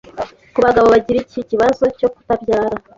ku bagabo bagira iki kibazo cyo kutabyara